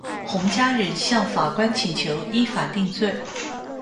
洪家人向法官请求依法定罪。